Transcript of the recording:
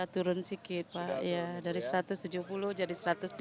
turun sikit pak dari satu ratus tujuh puluh jadi satu ratus dua puluh